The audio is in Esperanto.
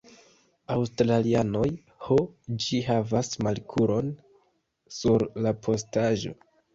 Australianoj. Ho, ĝi havas markulon sur la postaĵo.